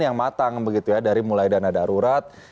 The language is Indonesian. yang matang begitu ya dari mulai dana darurat